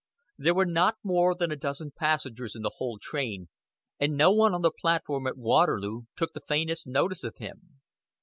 There were not more than a dozen passengers in the whole train, and no one on the platform at Waterloo took the faintest notice of him.